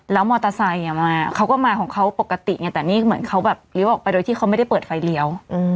แล้วมอเตอร์ไซค์มาเขาก็มาของเขาปกติไงแต่นี่เหมือนเขาแบบเลี้ยวออกไปโดยที่เขาไม่ได้เปิดไฟเลี้ยว